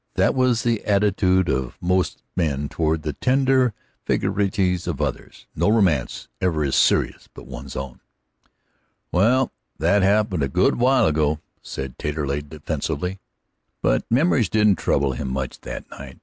That is the attitude of most men toward the tender vagaries of others. No romance ever is serious but one's own. "Well, that happened a good while ago," said Taterleg defensively. But memories didn't trouble him much that night.